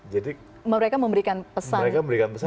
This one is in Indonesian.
jadi mereka memberikan pesan